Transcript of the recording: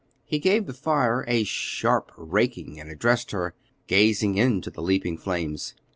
He gave the fire a sharp raking and addressed her, gazing into the leaping flames.